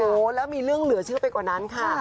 โอ้โหแล้วมีเรื่องเหลือเชื่อไปกว่านั้นค่ะ